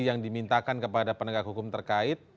yang dimintakan kepada penegak hukum terkait